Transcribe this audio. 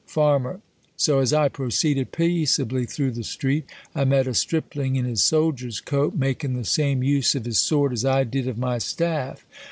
I Farm, So as I proceeded peaceably through the street, I met a stripling, in his soldier's coat, making the same use of his sword as I did of my staff.